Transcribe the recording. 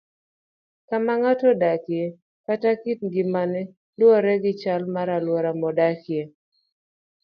Kama ng'ato odakie kata kit ngimane luwore gi chal mar alwora modakie.